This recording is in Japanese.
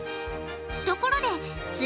ところです